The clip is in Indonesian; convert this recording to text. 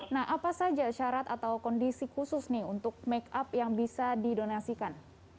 nah apa saja syarat atau kondisi khusus nih untuk make up yang bisa didonasikan